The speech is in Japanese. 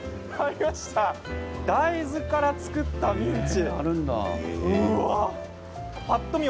大豆から作ったミンチ！